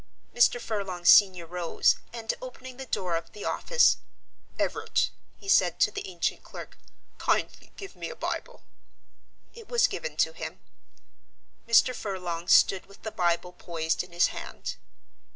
Mr. Furlong senior rose, and opening the door of the office, "Everett," he said to the ancient clerk, "kindly give me a Bible." It was given to him. Mr. Furlong stood with the Bible poised in his hand.